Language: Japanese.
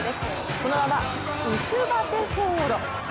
その名はウシュバテソーロ。